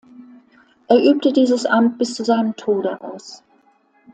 Er übte dieses Amt bis zu seinem Tode aus.